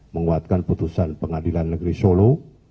menguatkan putusan pengadilan negeri solo